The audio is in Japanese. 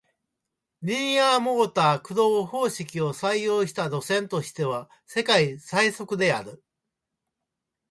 リニアモーター駆動方式を採用した路線としては世界最速である